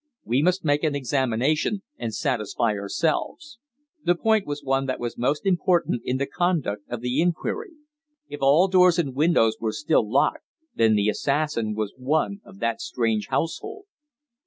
"We must make an examination and satisfy ourselves." The point was one that was most important in the conduct of the inquiry. If all doors and windows were still locked, then the assassin was one of that strange household.